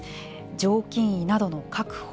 常勤医などの確保